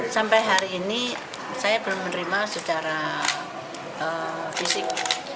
sampai hari ini saya belum menerima secara fisik